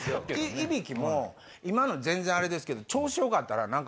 イビキも今の全然あれですけど調子良かったら。